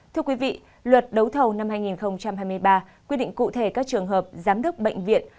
thưa quý vị luật đấu thầu năm hai nghìn hai mươi ba quy định cụ thể các trường hợp giám đốc bệnh viện